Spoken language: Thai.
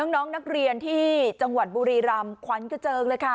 น้องนักเรียนที่จังหวัดบุรีรำขวัญกระเจิงเลยค่ะ